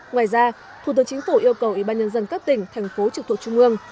ngoài ra thủ tướng chính phủ yêu cầu ủy ban nhân dân các tỉnh thành phố trực thuộc trung ương